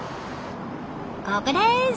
ここです。